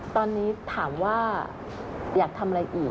ตอนนี้ถามว่าอยากทำอะไรอีก